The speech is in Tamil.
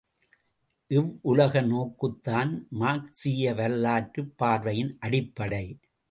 இவ்வுலக நோக்குத்தான் மார்க்ஸீய வரலாற்றுப் பார்வையின் அடிப்படை.